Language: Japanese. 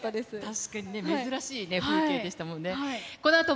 確かにね、珍しい風景でしたもんね。